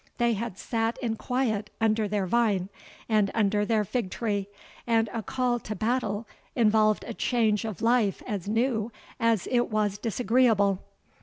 They had sat in quiet under their vine and under their fig tree, and a call to battle involved a change of life as new as it was disagreeable.